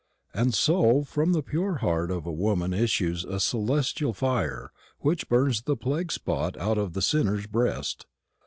And so from the pure heart of a woman issues a celestial fire which burns the plague spot out of the sinner's breast.